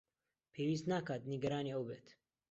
پێویست ناکات نیگەرانی ئەو بێت.